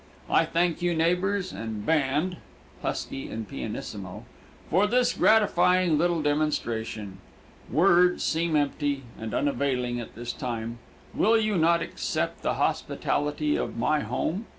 I thank you, neighbors and band (husky and pianissimo), for this gratifying little demonstration. Words seem empty and unavailing at this time. Will you not accept the hospitality of my home?